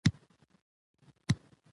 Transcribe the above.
عجيبه حال مو وليد .